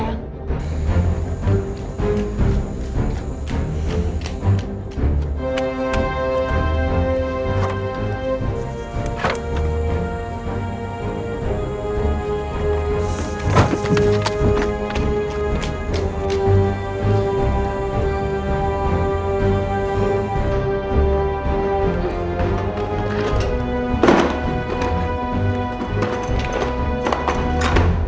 ini ada tralisnya